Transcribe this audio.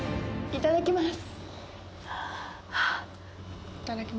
いただきます。